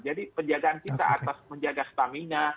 jadi penjagaan kita atas menjaga stamina